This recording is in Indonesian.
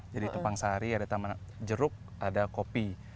jadi tupang sari ada jeruk ada kopi